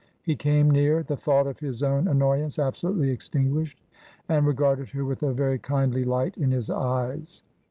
He came near — the thought of his own annoyance absolutely extinguished — and regarded her with a very kindly light in his eyes.